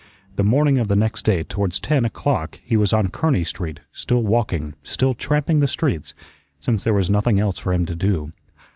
The morning of the next day towards ten o'clock he was on Kearney Street, still walking, still tramping the streets, since there was nothing else for him to do.